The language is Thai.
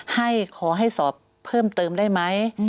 ขอให้สอบเพิ่มเติมได้ไหม